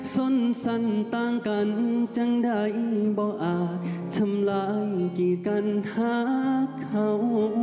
ส้นสั้นต่างกันจังใดบ่อาจชำลางกี่กันทักเขา